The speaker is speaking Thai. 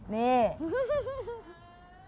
นี่